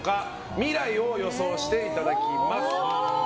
未来を予想していただきます。